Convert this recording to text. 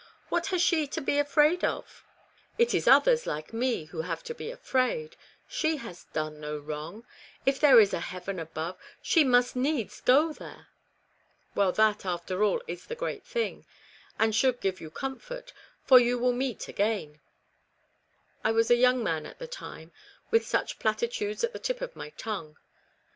What has she to be afraid of? 214 REBECCAS REMORSE. It is others, like me, who have to be afraid. She has done no wrong; if there is a heaven above, she must needs go there." " Well, that, after all, is the great thing, and should give you comfort, for you will meet again." I was a young man at the time, with such platitudes at the tip of my tongue.